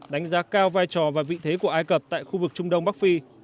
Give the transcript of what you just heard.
đánh giá cao vai trò và vị thế của ai cập tại khu vực trung đông bắc phi